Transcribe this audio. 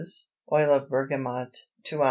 Oil of bergamot 2 oz.